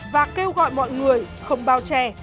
và kêu gọi mọi người không bao che